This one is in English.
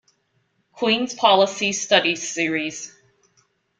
Queen's Policy Studies Series.